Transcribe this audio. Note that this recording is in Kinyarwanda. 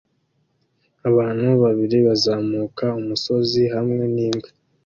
Abantu babiri bazamuka umusozi hamwe n'imbwa